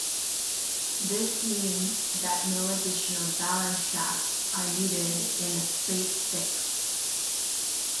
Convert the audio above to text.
This means that no additional balance shafts are needed in a straight-six.